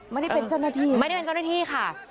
ไม่ได้เป็นเจ้าหน้าที่ค่ะ